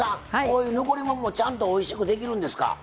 こういう残り物もちゃんとおいしくできるんですか。